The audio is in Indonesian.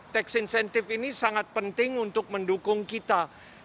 tax incentive ini sangat penting untuk mendukung kita